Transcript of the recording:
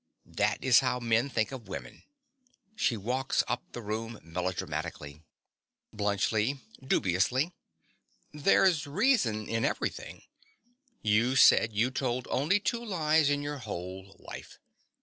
That is how men think of women. (She walks up the room melodramatically.) BLUNTSCHLI. (dubiously). There's reason in everything. You said you'd told only two lies in your whole life.